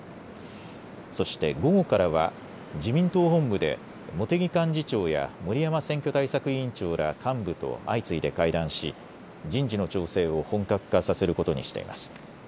そして午後からは自民党本部で茂木幹事長や森山選挙対策委員長ら幹部と相次いで会談し、人事の調整を本格化させることにしています。